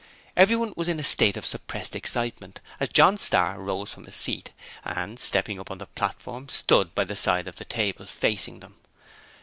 Everyone was in a state of suppressed excitement as John Starr rose from his seat and, stepping up on to the platform, stood by the side of the table, facing them.